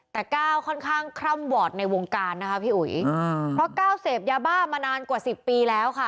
แต่ก้าวค่อนข้างคร่ำวอร์ดในวงการนะคะพี่อุ๋ยเพราะก้าวเสพยาบ้ามานานกว่าสิบปีแล้วค่ะ